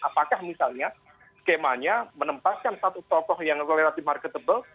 apakah misalnya skemanya menempatkan satu tokoh yang relatif marketable